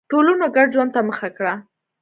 ټولنو ګډ ژوند ته مخه کړه.